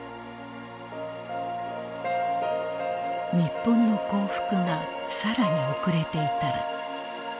日本の降伏が更に遅れていたら。